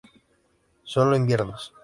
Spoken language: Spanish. Solo inviernos.